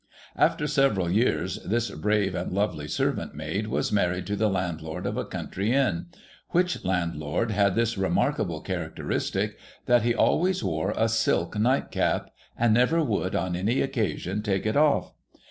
After several years, this brave and lovely servant maid was married to the landlord of a country Inn ; which landlord had this remarkable characteristic, that he always wore a silk nightcap, and never would on any consideration take it off.